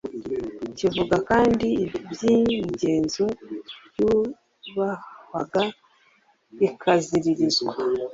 Kivuga kandi iby’imigenzo yubahwaga ikaziririzwa